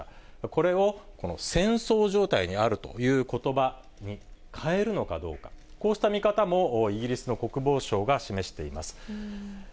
これを戦争状態にあるということばに変えるのかどうか、こうした見方もイギリスの国防相が示しています。